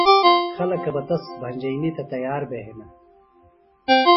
خلکہ بہ تس بھنجئِنی تھےۡ تیار بھِےۡ ہنہ